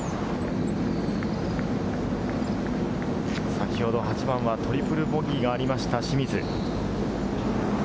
先ほど８番はトリプルボギーがありました、清水。